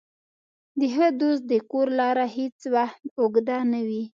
د ښه دوست د کور لاره هېڅ وخت اوږده نه وي.